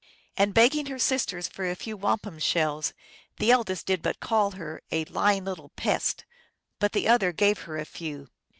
And begging her sisters for a few wampum shells, the eldest did but call her " a lying little pest," but the other gave her a few.